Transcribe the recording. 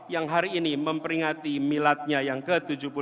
yang hari ini memperingati miladnya yang ke tujuh puluh dua